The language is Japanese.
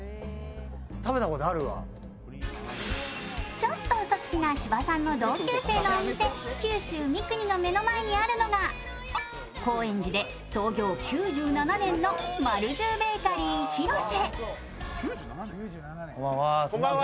ちょっとうそつきな芝さんの同級生、九州みくにの目の前にあるのが高円寺で創業９７年の丸十ベーカリーヒロセ。